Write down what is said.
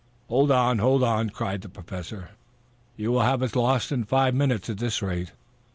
"Hold on, hold on," cried the Professor. "You will have us lost in five minutes at this rate.